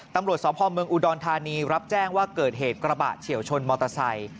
ตำรวจสพเมืองอุดรธานีรับแจ้งว่าเกิดเหตุกระบะเฉียวชนมอเตอร์ไซค์